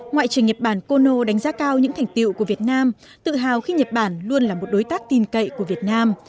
ngoại trưởng nhật bản kono đánh giá cao những thành tiệu của việt nam tự hào khi nhật bản luôn là một đối tác tin cậy của việt nam